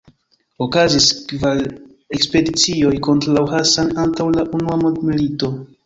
Okazis kvar ekspedicioj kontraŭ Hassan antaŭ la Unua Mondmilito.